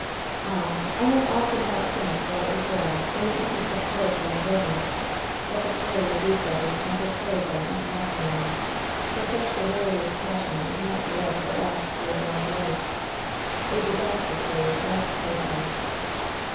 "Ah ! I have often thought since that it was well, in the interest of poetry and romance, that the story of these lovers never carried them into matrimony; for WHEN SHADOWS DIE 168 lucjb delirious passion is not the love that ^asts through a lon^ life ! "A disastrous day was fast approaching us.